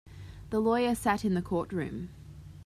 The lawyer sat in the courtroom.